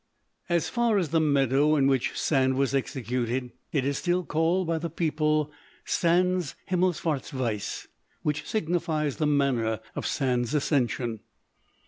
As far the meadow in which Sand was executed, it is still called by the people "Sand's Himmelsfartsweise," which signifies "The manner of Sand's ascension."